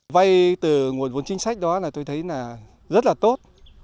vay từ nguồn vốn chính sách đó tôi thấy rất là tốt